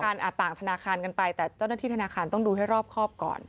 ต่างธนาคารกันไปแต่เจ้าหน้าที่ธนาคารต้องดูให้รอบครอบก่อน